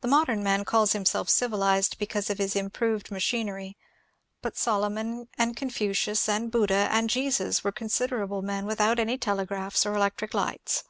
The modem man calls himself civilized because of his im proved machinery, but Solomon and Confucius and Buddha and Jesus were considerable men without any telegraphs or electric lights.